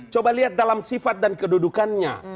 coba lihat dalam sifat dan kedudukannya